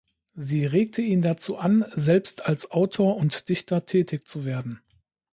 Sie regte ihn dazu an, selbst als Autor und Dichter tätig zu werden.